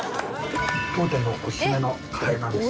当店のおすすめのカレーなんです。